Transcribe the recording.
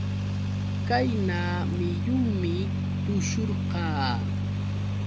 Qayna muyunmi tushurqaa.